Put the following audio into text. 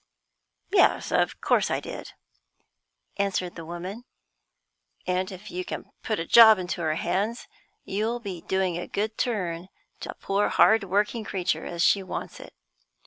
"Yes, of course I did," answered the woman; "and if you can put a job into her hands, you'll be doing a good turn to a poor hard working creature as wants it.